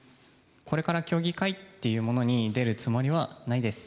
これから競技会っていうものに出るつもりはないです。